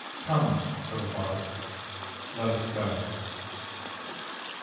Come, little bark! let us go.